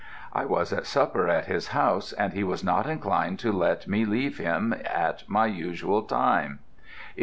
I was at supper at his house, and he was not inclined to let me leave him at my usual time.